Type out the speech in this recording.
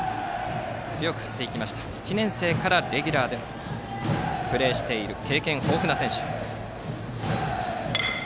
１年生からレギュラーでプレーしている経験豊富な選手。